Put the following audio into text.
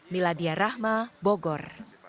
miladia rahma bogor